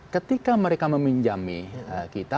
ketika mereka meminjami kita